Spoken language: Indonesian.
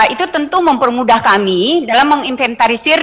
itu tentu mempermudah kami dalam menginventarisir